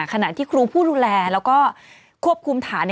ขณะที่ครูผู้ดูแลแล้วก็ควบคุมฐาน